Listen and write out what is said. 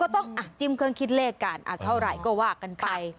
ต้องจิ้มเครื่องคิดเลขกันเท่าไหร่ก็ว่ากันไป